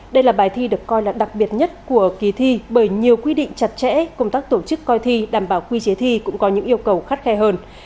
đây là bài thi được coi là đặc biệt nhất của kỳ thi bởi nhiều quy định chặt chẽ công tác tổ chức coi thi đảm bảo quy chế thi cũng có những yêu cầu khắt khe hơn